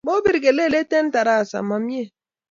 Mopir kelelet eng' tarasa ma mye.